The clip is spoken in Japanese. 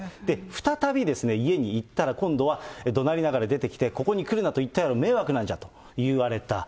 再び家に行ったら、今度はどなりながら出てきて、ここに来るなと言ったやろ、迷惑なんじゃと言われた。